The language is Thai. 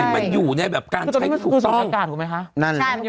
มันอยู่ในการใช้ถูกต้อง